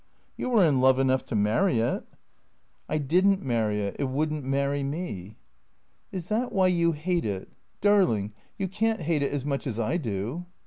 " You were in love enough to marry it." 394 THECEEATORS " I did n't marry it. It would n't marry me." " Is that why you hate it ? Darling, you can't hate it as much as I do."